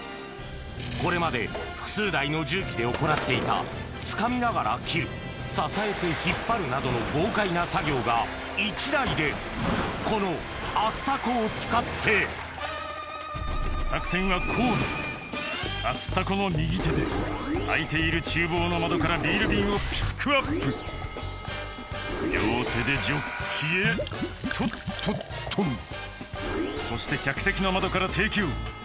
これまで複数台の重機で行っていたつかみながら切る支えて引っ張るなどの豪快な作業が１台でこのアスタコを使って作戦はこうだアスタコの右手で開いている厨房の窓からビール瓶をピックアップ両手でジョッキへとっとっとそして客席の窓から提供